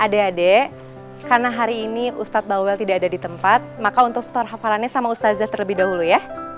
ade ade karena hari ini ustaz bowel tidak ada ditempat maka untuk sebetulnya hafalannya sama ustazah terlebih dahulu ya